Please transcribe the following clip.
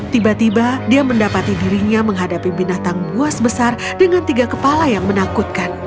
tiba tiba dia mendapati dirinya menghadapi binatang buas besar dengan tiga kepala yang menakutkan